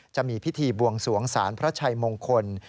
จะมีพิธีบวงสวงสารพระชัยมงคล